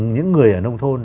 những người ở nông thôn